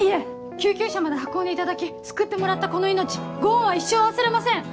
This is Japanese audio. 救急車まで運んでいただき救ってもらったこの命ご恩は一生忘れません！